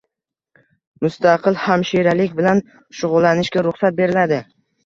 Mustaqil hamshiralik bilan shug‘ullanishga ruxsat beriladi